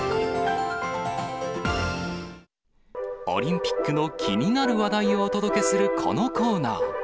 オリンピックの気になる話題をお届けするこのコーナー。